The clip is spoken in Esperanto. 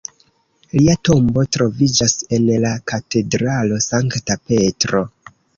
Lia tombo troviĝas en la katedralo Sankta Petro.